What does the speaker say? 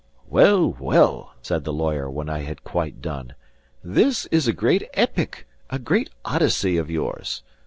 "Well, well," said the lawyer, when I had quite done, "this is a great epic, a great Odyssey of yours.